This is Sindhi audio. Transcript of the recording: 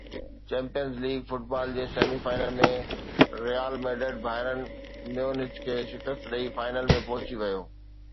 چيمپيئنز ليگ فٽبال جي semi final ۾ Real Madrid Bayern Munich کي شڪست ڏئي فائنل ۾ پهچي ويو